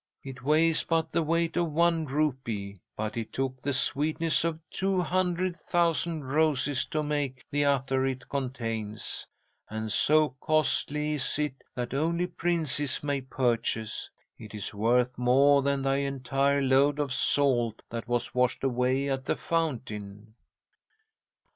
It weighs but the weight of one rupee, but it took the sweetness of two hundred thousand roses to make the attar it contains, and so costly is it that only princes may purchase. It is worth more than thy entire load of salt that was washed away at the fountain."